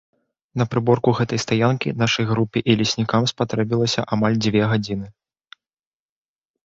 На прыборку гэтай стаянкі нашай групе і леснікам спатрэбілася амаль дзве гадзіны.